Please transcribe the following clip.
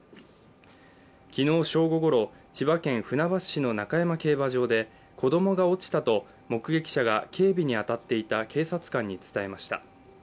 昨日正午ごろ、千葉県船橋市の中山競馬場で子供が落ちたと目撃者が警備に当たっていた警察官に伝えました。